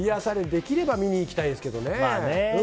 できれば見に行きたいですけどね。